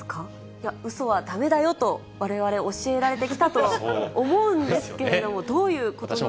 いや、うそはだめだよと、われわれ、教えられてきたと思うんですけれども、どういうことなんでしょうか。